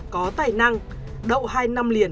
có tài năng đậu hai năm liền